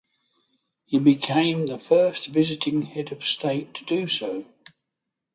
He became the first visiting head of state to do so.